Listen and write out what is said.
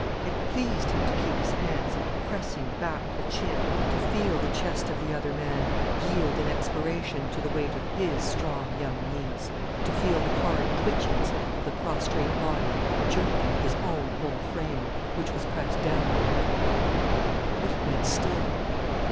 It pleased him to keep his hands pressing back the chin, to feel the chest of the other man yield in expiration to the weight of his strong, young knees, to feel the hard twitchings of the prostrate body jerking his own whole frame, which was pressed down on it. But it went still.